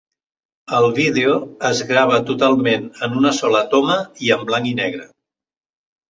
El vídeo es grava totalment en una sola toma i en blanc i negre.